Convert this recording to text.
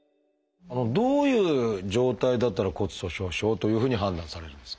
どういう状態だったら骨粗しょう症というふうに判断されるんですか？